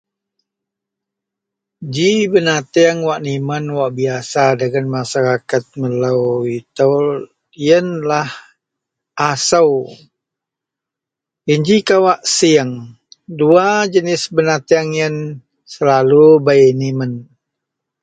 Ji benateang wak nimen wak bisaya dagen masaraket melou itou yenlah asou, yen ji kawak sieng, Duwa jenis benateang yen selalu bei nimen